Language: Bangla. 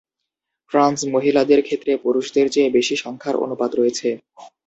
ট্রান্স মহিলাদের ক্ষেত্রে পুরুষদের চেয়ে বেশি সংখ্যার অনুপাত রয়েছে।